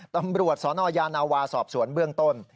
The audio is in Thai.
ตำรวจสนยานาวาสอบสวนเบื้องต้น